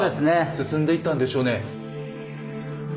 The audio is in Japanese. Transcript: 進んでいったんでしょうね。